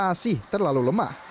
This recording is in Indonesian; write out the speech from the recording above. masih terlalu lemah